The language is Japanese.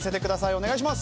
お願いします！